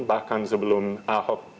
bahkan sebelum ahok